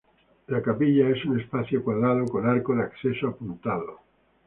La capilla es un espacio cuadrado con arco de acceso apuntado.